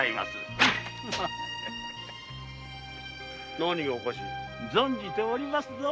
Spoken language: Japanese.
何がおかしい？存じておりますぞ。